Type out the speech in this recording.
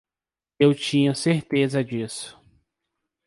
Eu tinha certeza disso.